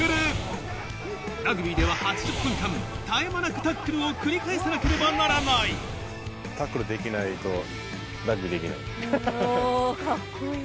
ラグビーでは８０分間絶え間なくタックルを繰り返さなければならないうおカッコいい。